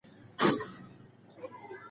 کندهار د مستیو، ښایستونو، قربانیو